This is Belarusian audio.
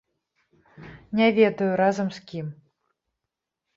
Не ведаю, разам з кім.